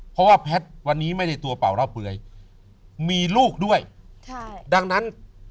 เพราะว่าแพทย์วันนี้ไม่ได้ตัวเป่าเล่าเปลือยมีลูกด้วยดังนั้น